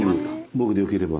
僕でよければ。